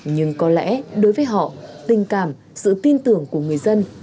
nhưng có lẽ đối với họ tình cảm sự tin tưởng của người dân